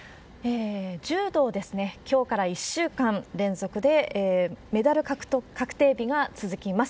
柔道ですね、きょうから１週間連続で、メダル確定日が続きます。